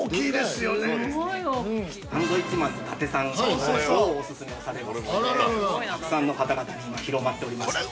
◆サンドウィッチマンの伊達さんが超お勧めされまして、たくさんの方々に今、広まっております。